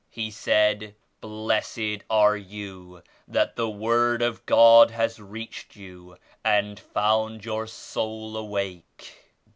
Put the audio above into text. He said, "Blessed are you that the Word of God has reached you and found your soul awake.